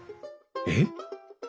えっ？